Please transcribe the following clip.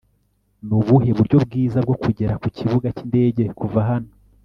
nubuhe buryo bwiza bwo kugera ku kibuga cyindege kuva hano